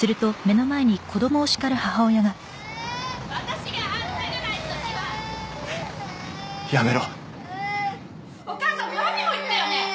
私があんたぐらいのときはやめろお母さん前にも言ったよね